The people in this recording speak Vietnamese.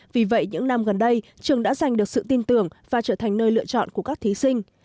vì vậy những năm gần đây trường đã giành được sự tin tưởng và trở thành nơi lựa chọn của các thí sinh